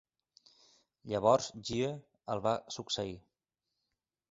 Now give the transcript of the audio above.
Llavors Gye el va succeir".